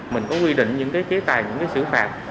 mình có quy định những cái chế tài những cái xử phạt